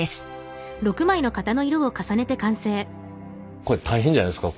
これ大変じゃないですか？